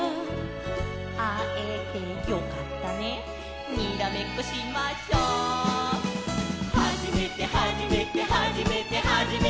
「あえてよかったねにらめっこしましょ」「はじめてはじめてはじめてはじめて」